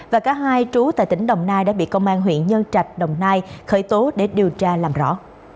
và cả hai trú tại tỉnh đồng nai đã bị công an huyện nhân trạch đồng nai khởi tố để điều tra làm rõ